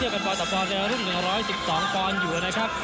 อุ่นจริง๑๒๒กรั่งอยู่นะครับ